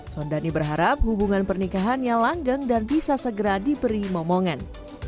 sondani berharap hubungan pernikahannya langgeng dan bisa segera diberi momongan